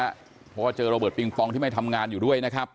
เพราะว่าเจอระเบิดปิงปองที่ไม่ทำงานอยู่ด้วยนะครับ